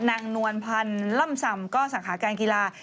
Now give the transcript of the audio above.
นวลพันธ์ล่ำซำก็สาขาการกีฬา